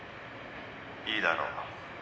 いいだろう。